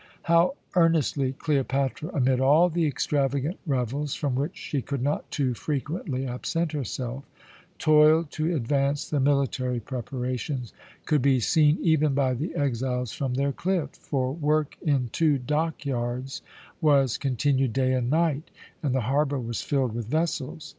How earnestly Cleopatra, amid all the extravagant revels, from which she could not too frequently absent herself, toiled to advance the military preparations, could be seen even by the exiles from their cliff; for work in two dock yards was continued day and night, and the harbour was filled with vessels.